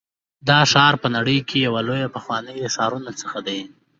دا ښار په نړۍ کې یو له پخوانیو ښارونو څخه دی.